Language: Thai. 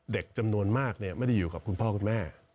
เด็กจำนวนมากไม่ได้อยู่กับคุณพ่อคุณแม่